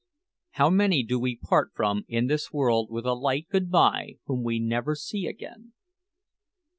How many do we part from in this world with a light good bye whom we never see again!